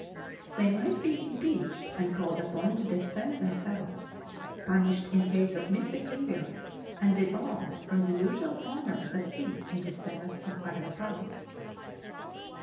They might be impeached and called upon to defend themselves, punished in case of misbehavior, and debarred from the usual honor of a seat in the senate of Areopagus.